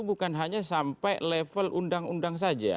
bukan hanya sampai level undang undang saja